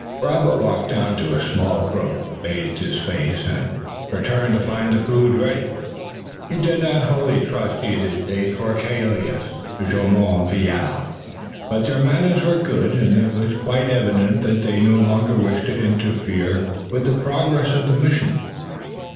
Robert walked down to a small brook, bathed his face, and returned to find the food ready. He did not wholly trust either de Courcelles or Jumonville, but their manners were good, and it was quite evident that they no longer wished to interfere with the progress of the mission.